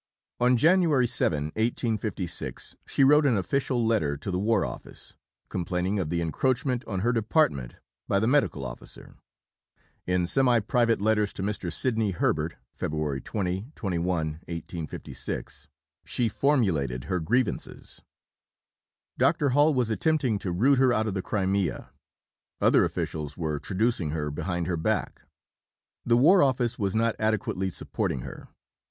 On January 7, 1856, she wrote an official letter to the War Office, complaining of the encroachment on her department by the Medical Officer. In semi private letters to Mr. Sidney Herbert (Feb. 20, 21, 1856) she formulated her grievances. Dr. Hall was "attempting to root her out of the Crimea." Other officials were traducing her behind her back. The War Office was not adequately supporting her.